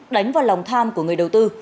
đánh vào lòng tham của người đầu tư